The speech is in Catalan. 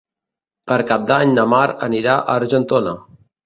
Per Cap d'Any na Mar anirà a Argentona.